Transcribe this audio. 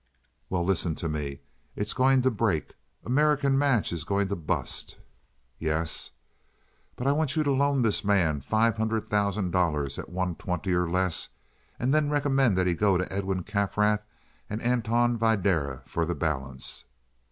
"Well, listen to me. It's going to break. American Match is going to bust." "Yes." "But I want you to loan this man five hundred thousand dollars at one twenty or less and then recommend that he go to Edwin Kaffrath or Anton Videra for the balance."